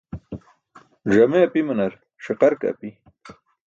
Ẓame apimanar ṣiqar ke api.